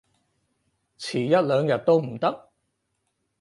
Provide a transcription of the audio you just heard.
遲一兩日都唔得？